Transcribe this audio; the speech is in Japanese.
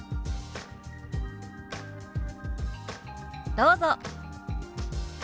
どうぞ。